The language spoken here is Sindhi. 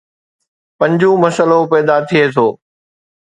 پنجون مسئلو پيدا ٿئي ٿو